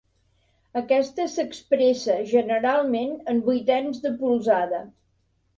Aquesta s'expressa generalment en vuitens de polzada.